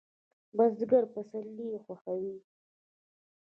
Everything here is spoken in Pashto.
بزګر پسرلی خوښوي